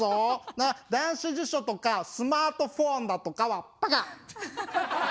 ね電子辞書とかスマートフォンだとかはペケ！